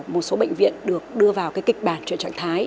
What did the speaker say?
một số bệnh viện được đưa vào cái kịch bản chuyển trạng thái